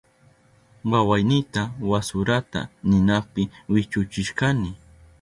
Wawaynita wasurata ninapi wichuchishkani.